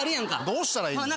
どうしたらいいの？